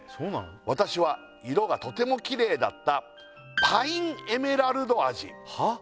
「私は色がとてもきれいだったパインエメラルド味」はっ？